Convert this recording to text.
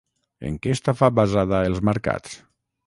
En què estava basada Els marcats?